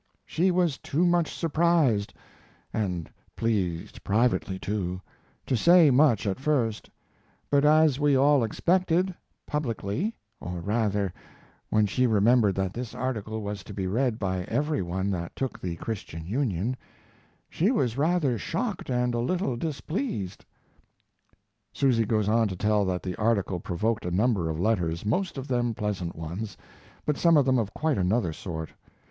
She was too much surprised (and pleased privately too) to say much at first; but, as we all expected, publicly (or rather when she remembered that this article was to be read by every one that took the Christian Union) she was rather shocked and a little displeased. Susy goes on to tell that the article provoked a number of letters, most of them pleasant ones, but some of them of quite another sort.